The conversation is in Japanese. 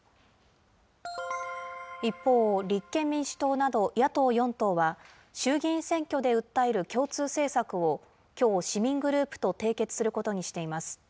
一方、立憲民主党など野党４党は、衆議院選挙で訴える共通政策を、きょう市民グループと締結することにしています。